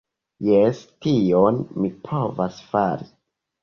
Jes, tion mi povas fari